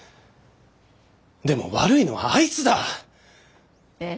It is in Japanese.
でも悪いのはあいつだ。え？